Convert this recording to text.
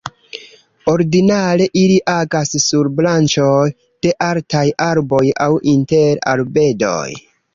Ordinare ili agas sur branĉoj de altaj arboj aŭ inter arbedoj.